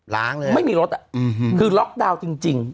ล้างเลยอะไม่มีรถอะคือล็อกดาวน์จริง